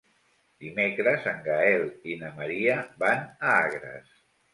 Dimecres en Gaël i na Maria van a Agres.